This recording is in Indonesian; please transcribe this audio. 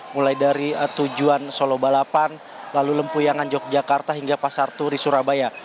mulai dari tujuan solo balapan lalu lempuyangan yogyakarta hingga pasar turi surabaya